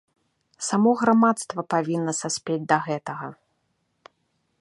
Само грамадства павінна саспець да гэтага.